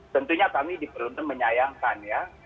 tentunya kami diperlukan menyayangkan ya